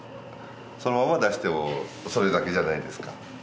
そのまま出してもそれだけじゃないですか。